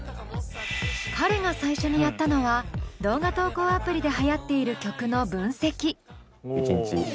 彼が最初にやったのは動画投稿アプリではやっている曲の分析。